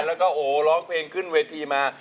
แล้วก็โอ้โหร้องเพลงขึ้นเวทีมา